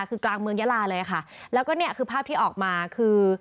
คือกลางเมืองยาลาเลยค่ะแล้วก็เนี่ยคือภาพที่ออกมาคือ